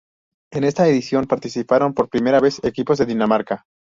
En esta edición participaron por primera vez equipos de Dinamarca.